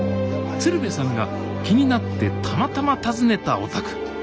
鶴瓶さんが気になってたまたま訪ねたお宅。